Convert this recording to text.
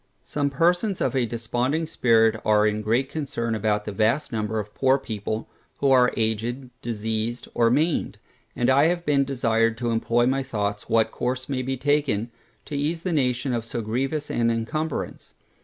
Some persons of a desponding spirit are in great concern about that vast number of poor people, who are aged, diseased, or maimed; and I have been desired to employ my thoughts what course may be taken, to ease the nation of so grievous an incumbrance.